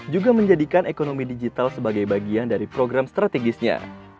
juga menjadikan ekonomi digital sebagai bagian dari program strategisnya